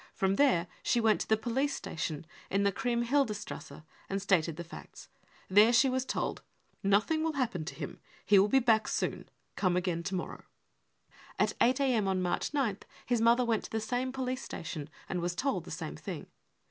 From there she went to the police station in the Kriemhildstrasse and stated the facts. There she was told :" Nothing will happen to him, he will be back soon. Gome again to morrow." At 8 a.m, on March 9th, his mother went to the same police station, and was told the same thing.